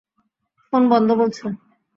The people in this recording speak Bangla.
ফোন বন্ধ বলছে।